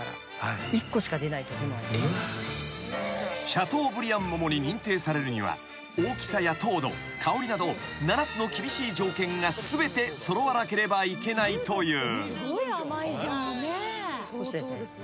［シャトーブリアン桃に認定されるには大きさや糖度香りなど７つの厳しい条件が全て揃わなければいけないという］